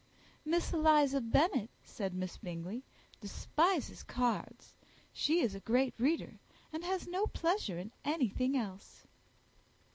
"Miss Eliza Bennet," said Miss Bingley, "despises cards. She is a great reader, and has no pleasure in anything else."